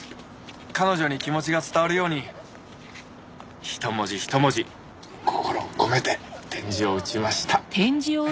彼女に気持ちが伝わるように一文字一文字心を込めて点字を打ちました。